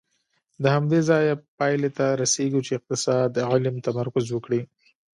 له همدې ځایه پایلې ته رسېږو چې اقتصاد علم تمرکز وکړي.